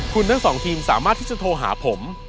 คุณทั้งสองทีมสามารถที่จะโทรหาผม